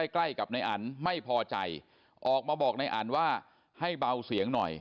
ใกล้กับนายอันไม่พอใจออกมาบอกในอันว่าให้เบาเสียงหน่อย